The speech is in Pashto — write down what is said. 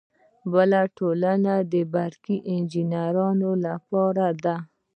بله ټولنه د برقي انجینرانو لپاره ده.